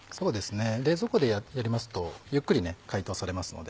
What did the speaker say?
冷蔵庫でやりますとゆっくり解凍されますので。